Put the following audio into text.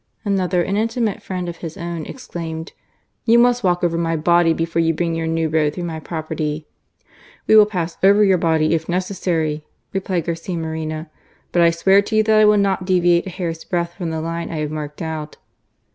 Another, an intimate friend of his own, exclaimed :" You must walk over my body before you bring your new road through my property !"" We will pass over your body if necessary," replied Garcia Moreno. " But I swear to you that I will not deviate a hair's breadth from the line I have marked but."